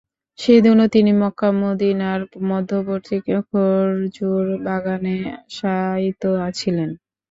সেদিনও তিনি মক্কা-মদীনার মধ্যবর্তী খর্জুর বাগানে শায়িত ছিলেন।